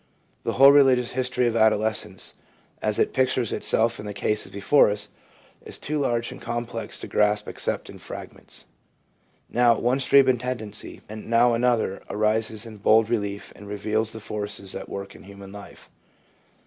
The whole religious history of adolescence, as it pictures itself in the cases before us, is too large and complex to grasp except in fragments. Now one stream of tendency, and now another, arises in bold relief and reveals the forces at work in human life.